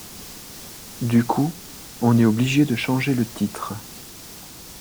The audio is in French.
Du coup, on est obligé de changer le titre.